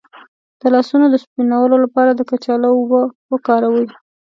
د لاسونو د سپینولو لپاره د کچالو اوبه وکاروئ